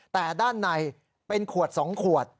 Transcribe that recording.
แต่ด้านในเป็นขวด๒ขวด